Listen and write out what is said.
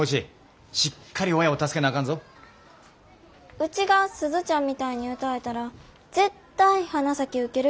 ウチが鈴ちゃんみたいに歌えたら絶対花咲受けるけどな。